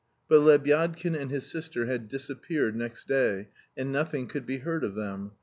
But Lebyadkin and his sister had disappeared next day, and nothing could be heard of them.